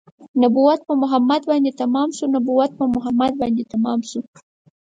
نبوت په محمد باندې تمام شو نبوت په محمد باندې تمام شو